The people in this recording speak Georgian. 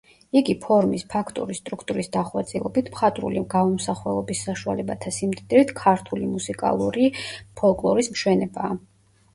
იგი ფორმის, ფაქტურის, სტრუქტურის დახვეწილობით, მხატვრული გამომსახველობის საშუალებათა სიმდიდრით ქართული მუსიკალური ფოლკლორის მშვენებაა.